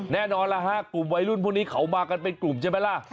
แน่นอนล่ะฮะกลุ่มวัยรุ่นพวกนี้เขามากันเป็นกลุ่มใช่ไหมล่ะ